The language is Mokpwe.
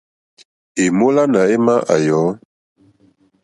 È mólánà émá à yɔ̌.